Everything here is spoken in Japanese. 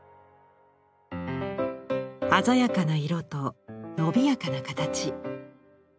鮮やかな色と伸びやかな形。